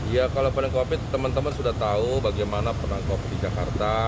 ya kalau penang covid sembilan belas teman teman sudah tahu bagaimana penang covid sembilan belas di jakarta